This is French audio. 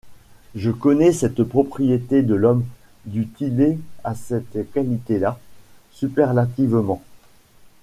Je connais cette propriété de l’homme: du Tillet a cette qualité-là, superlativement.